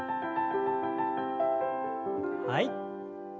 はい。